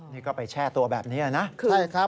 นี่ก็ไปแช่ตัวแบบนี้เลยนะ